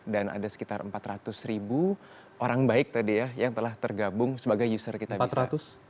dan ada sekitar empat ratus ribu orang baik tadi ya yang telah tergabung sebagai user kitabisa